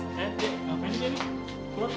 eh apaan ini